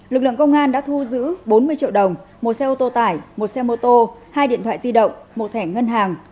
lực lượng công an đã thu giữ bốn mươi triệu đồng một xe ô tô tải một xe mô tô hai điện thoại di động một thẻ ngân hàng